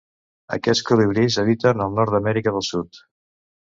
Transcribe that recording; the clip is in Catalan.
Aquests colibrís habiten al nord d'Amèrica del Sud.